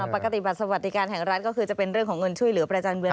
ปฏิบัติสวัสดิการแห่งรัฐก็คือจะเป็นเรื่องของเงินช่วยเหลือประจำเดือน